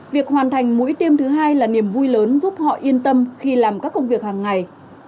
việc hoàn thành mũi tiêm thứ hai là niềm vui lớn giúp họ yên tâm khi làm các công việc hàng ngày